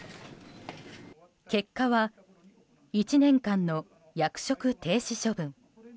結果は、１年間の役職停止処分。